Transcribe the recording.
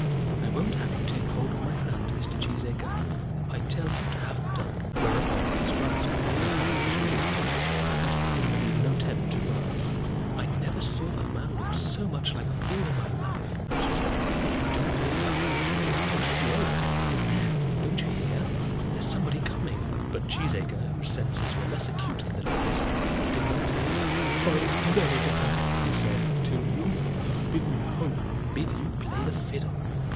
I won't have you take hold of my hand, Mr. Cheesacre. I tell you to have done." Whereupon his grasp upon her hand was released; but he made no attempt to rise. "I never saw a man look so much like a fool in my life," said she. "If you don't get up, I'll push you over. There; don't you hear? There's somebody coming." But Cheesacre, whose senses were less acute than the lady's, did not hear. "I'll never get up," said he, "till you have bid me hope." "Bid you play the fiddle.